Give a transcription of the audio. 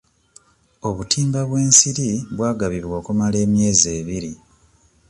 Obutimba bw'ensiri bwagabibwa okumala emyezi ebiri.